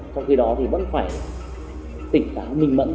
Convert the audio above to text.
trong khi đó thì vẫn phải tỉnh táo minh mẫn